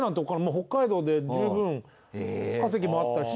北海道で十分稼ぎもあったし。